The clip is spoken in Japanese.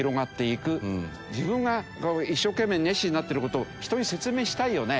自分が一生懸命熱心になっている事を人に説明したいよね。